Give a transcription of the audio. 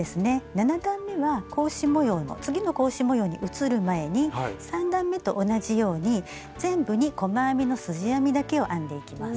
７段めは格子模様の次の格子模様に移る前に３段めと同じように全部に細編みのすじ編みだけを編んでいきます。